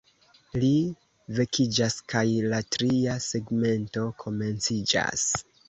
Li vekiĝas kaj la tria segmento komenciĝas.